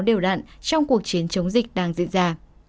đều đặn trong cuộc chiến chống dịch đang diễn ra